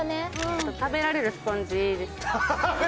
あと食べられるスポンジです